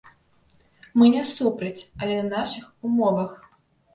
Мы не супраць, але на нашых умовах.